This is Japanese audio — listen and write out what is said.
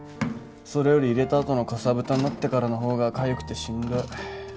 それより入れた後のかさぶたになってからの方がかゆくてしんどい。